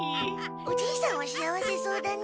おじいさんは幸せそうだね。